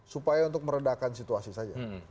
supaya untuk meredakan situasi saja